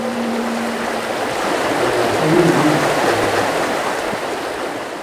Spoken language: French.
La famille est musicienne.